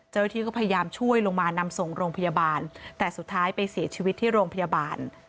เจ้าหน้าที่ก็พยายามช่วยลงมานำส่งโรงพยาบาลแต่สุดท้ายไปเสียชีวิตที่โรงพยาบาล